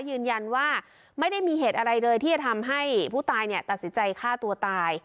ยืนยันว่าไม่ได้มีเหตุอะไรเลยที่จะทำให้ผู้ตายตัดสินใจฆ่าตัวตาย